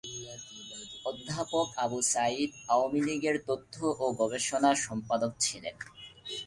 অধ্যাপক আবু সাইয়িদ আওয়ামী লীগের তথ্য ও গবেষণা সম্পাদক ছিলেন।